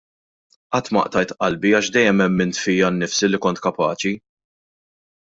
Qatt ma qtajt qalbi għax dejjem emmint fija nnifsi li kont kapaċi.